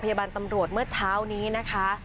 พยาบาลตำรวจเมื่อเช้านี้นะคะ